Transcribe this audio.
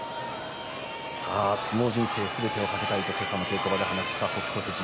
相撲人生すべてを懸けたいと稽古で話していた北勝富士。